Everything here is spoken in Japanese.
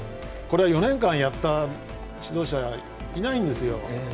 ４年間やった指導者はいないんですよ。